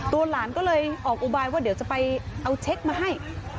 หลานก็เลยออกอุบายว่าเดี๋ยวจะไปเอาเช็คมาให้